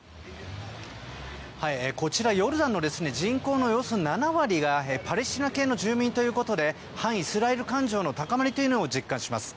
こちら、ヨルダンの人口のおよそ７割がパレスチナ系の住民ということで反イスラエル感情の高まりを実感します。